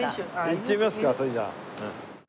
行ってみますかそれじゃあ。